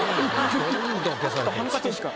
どんどん消されて。